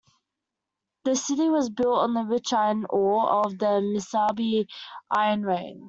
The city was built on the rich iron ore of the Mesabi Iron Range.